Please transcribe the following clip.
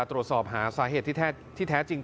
ตรวจสอบหาสาเหตุที่แท้จริง